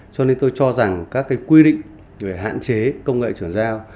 cho nên tôi cho rằng các quy định hạn chế công nghệ chuyển giao